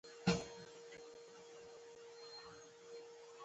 دی وايي ملا دي وي زما يار دي وي